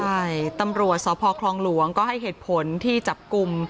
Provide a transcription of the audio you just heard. ใช่ตำรวจสพคลองหลวงก็ให้เหตุผลที่จับกลุ่ม